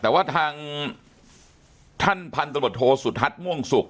แต่ว่าทางท่านพันธบทโทสุทัศน์ม่วงสุก